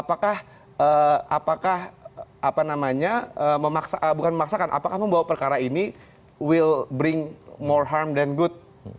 apakah bukan memaksakan apakah membawa perkara ini will bring more harm dan good